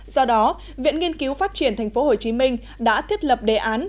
do đó viện nghiên cứu phát triển thành phố hồ chí minh đã thiết lập đề án